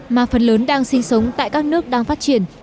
mà phần lớn đang sinh sống tại các nước đang phát triển